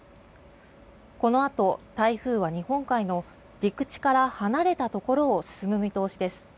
このあと台風は日本海の陸地から離れたところを進む見通しです。